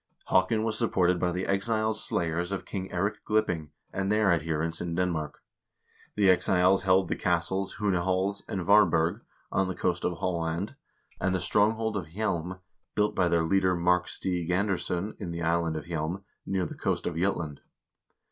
Haakon was supported by the exiled slayers of King Eirik Glipping and their adherents in Denmark. The exiles held the castles Hunehals and Varberg on the coast of Halland, and the stronghold of Hjelm, built by their leader Mark Stig Anderss0n in the island of Hjelm, near the coast of Jutland.